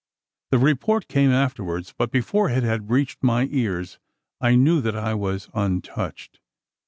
The report came afterwards; but, before it had reached my ears, I knew that I was untouched.